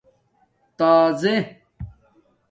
تازے